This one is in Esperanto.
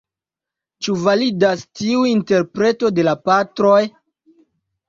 Ĉu validas tiu interpreto de la Patroj?